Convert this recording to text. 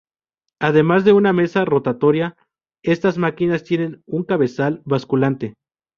Además de una mesa rotatoria, estas máquinas tienen un cabezal basculante.